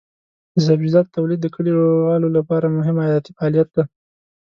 د سبزیجاتو تولید د کليوالو لپاره مهم عایداتي فعالیت دی.